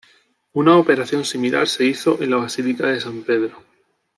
Una operación similar se hizo en la Basílica de San Pedro.